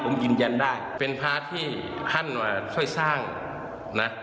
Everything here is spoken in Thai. ผมยืนยันได้เป็นพระที่ท่านมาช่วยสร้างนะ